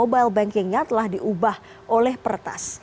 mobile bankingnya telah diubah oleh pertas